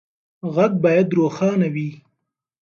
غږ باید روښانه وي.